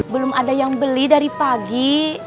belum ada yang beli dari pagi